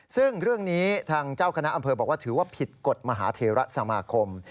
ซึ่งเรื่องนี้ทางเจ้าคณะอำเภอบอกว่าถือว่าผิดกฎมหาเทระสมาคม